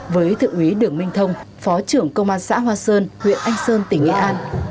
với thượng úy đường minh thông phó trưởng công an xã hoa sơn huyện anh sơn tỉnh nghệ an